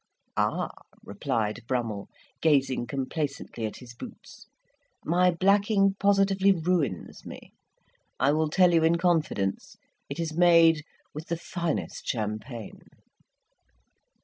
"Ah!" replied Brummell, gazing complacently at his boots, "my blacking positively ruins me. I will tell you in confidence; it is made with the finest champagne!"